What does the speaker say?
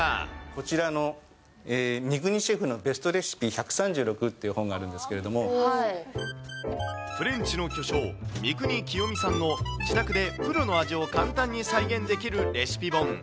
こちらの三國シェフのベスト・レシピ１３６っていう本があるフレンチの巨匠、三國清三さんの自宅でプロの味を簡単に再現できるレシピ本。